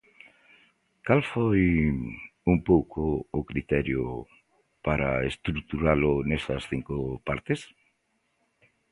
Cal foi, un pouco, o criterio para estruturalo nesas cinco partes?